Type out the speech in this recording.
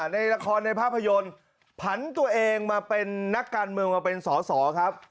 ในละครในภาพยนตร์ผันตัวเองมาเป็นนักการเมืองมาเป็นสอสอครับ